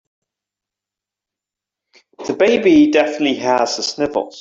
The baby definitely has the sniffles.